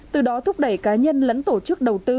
từ đó thúc đẩy cá nhân lẫn tổ chức đầu tư